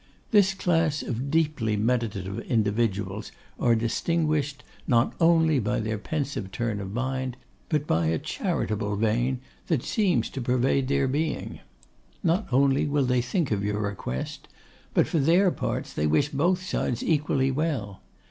This class of deeply meditative individuals are distinguished not only by their pensive turn of mind, but by a charitable vein that seems to pervade their being. Not only will they think of your request, but for their parts they wish both sides equally well.